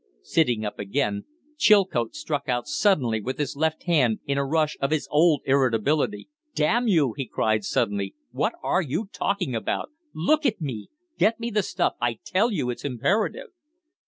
Sitting up again, Chilcote struck out suddenly with his left hand in a rush of his old irritability. "Damn you!" he cried, suddenly, "what are you talking about? Look at me! Get me the stuff. I tell you it's imperative."